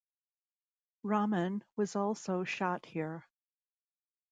Rahman was also shot here.